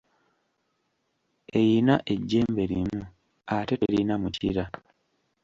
Eyina ejjembe limu, ate terina mukira.